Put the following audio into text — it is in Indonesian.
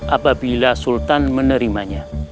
apabila sultan menerimanya